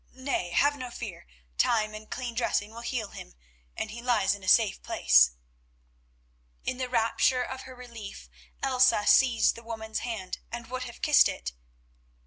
Nay, have no fear, time and clean dressing will heal him, and he lies in a safe place." In the rapture of her relief Elsa seized the woman's hand, and would have kissed it.